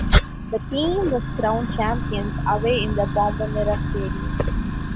The team was crowned champions away in the Bombonera Stadium.